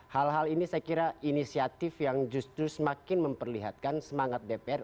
hal hal ini saya kira inisiatif yang justru semakin memperlihatkan semangat dpr